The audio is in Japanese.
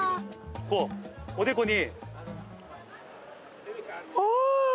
こうおでこにオー！